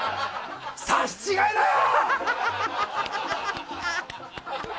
刺し違えだよ！